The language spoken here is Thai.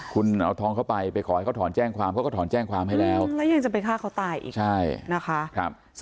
คุณเอาทองเข้าไปไปขอให้เขาถอนแจ้งความเขาก็ถอนแจ้งความให้แล้วแล้วยังจะไปฆ่าเขาตายอีกใช่นะคะ